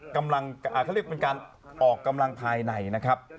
กำลังเขาเรียกเป็นการออกกำลังภายในนะครับ